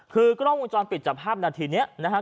คือกล้องวงจรปิดจับภาพนาทีนี้นะครับ